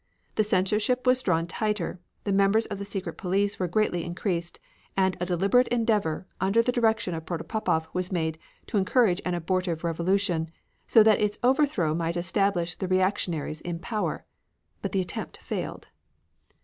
The censorship was drawn tighter, the members of the secret police were greatly increased, and a deliberate endeavor, under the direction of Protopopov was made to encourage an abortive revolution, so that its overthrow might establish the reactionaries in power. But the attempt failed.